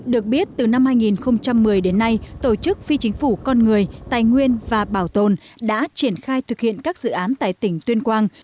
được biết từ năm hai nghìn một mươi đến nay tổ chức phi chính phủ con người tài nguyên và bảo tồn đã triển khai thực hiện các dự án tại tỉnh tuyên quang